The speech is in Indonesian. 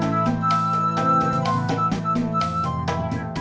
gak ada yang nanya